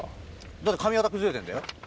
だって髪形崩れてんだよ。